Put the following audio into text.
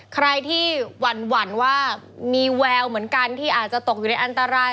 ใครที่หวั่นว่ามีแววเหมือนกันที่อาจจะตกอยู่ในอันตราย